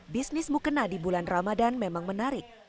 bisnis mukena di bulan ramadan memang menarik